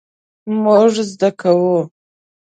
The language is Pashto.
مونږ زده کوو